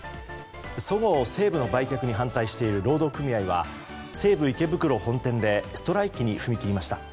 そごう・西武の売却に反対している労働組合は西武池袋本店でストライキに踏み切りました。